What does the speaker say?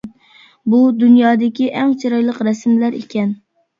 بۇ، دۇنيادىكى ئەڭ چىرايلىق رەسىملەر ئىكەن.